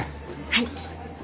はい。